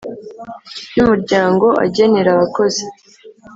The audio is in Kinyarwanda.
By umuryango agenera abakozi